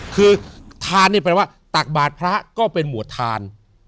คือทานเนี่ยแปลว่าตักบาทพระก็เป็นหมวดทาน